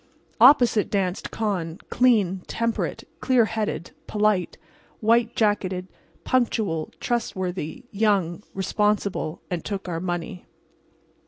Opposite danced Con, clean, temperate, clear headed, polite, white jacketed, punctual, trustworthy, young, responsible, and took our money.